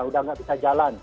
sudah nggak bisa jalan